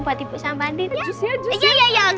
buat ibu sama andin ya